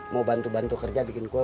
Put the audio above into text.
mau bantu bantu kerja bikin kue